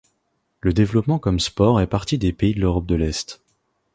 Le développement comme sport est parti des pays de l'Europe de l’Est.